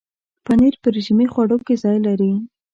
پنېر په رژیمي خواړو کې ځای لري.